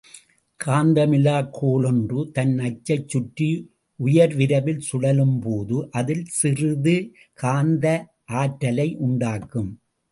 காந்தமிலாக் கோல் ஒன்று, தன் அச்சைச் சுற்றி உயர்விரைவில் சுழலும்போது, அதில் சிறிது காந்த ஆற்றலை உண்டாக்கும்.